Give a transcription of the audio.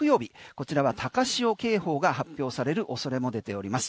こちらは高潮警報が発表される恐れも出ております。